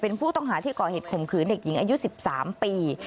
เป็นผู้ต้องหาที่ก่อเหตุข่มขืนเด็กหญิงอายุ๑๓ปี